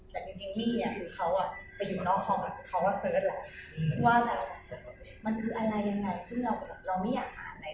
แต่จริงนี่คือเขาไปอยู่นอกห้องเขาว่าเสิร์ชแล้วว่าแบบมันคืออะไรอย่างไรที่เราไม่อยากหา